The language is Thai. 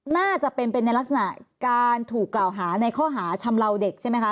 น่าจะเป็นในลักษณะการถูกกล่าวหาในข้อหาชำลาวเด็กใช่ไหมคะ